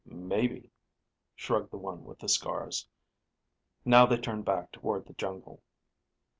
"Maybe," shrugged the one with the scars. Now they turned back toward the jungle.